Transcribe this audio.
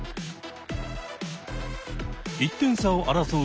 １点差を争う